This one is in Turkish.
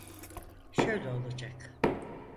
Şöyle olacak.